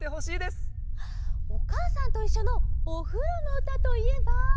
「おかあさんといっしょ」のおふろのうたといえば。